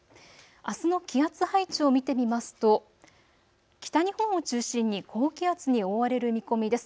あすの気圧配置を見てみますと北日本を中心に高気圧に覆われる見込みです。